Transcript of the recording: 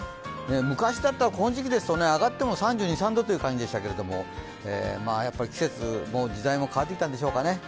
昔だったらこの時期、上がっても３２．３３度ぐらいでしたけどやっぱり時代も変わってきたんでしょうかね。